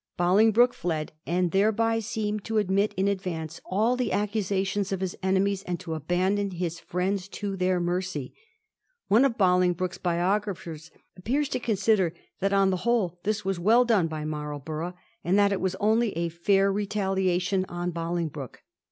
Bolingbroke fled, and thereby seemed to admit in advance all the accusations of his enemies and to abandon his friends to their mercy. One of Bolingbroke's biographers appears to consider that on the whole this was well done by Marlborough, and that it was only a fair retaliation on Bolingbroke.